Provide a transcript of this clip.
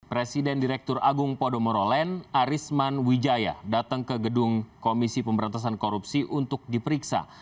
presiden direktur agung podomoro land arisman wijaya datang ke gedung komisi pemberantasan korupsi untuk diperiksa